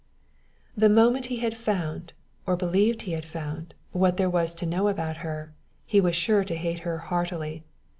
The moment he had found, or believed he had found, what there was to know about her, he was sure to hate her heartily.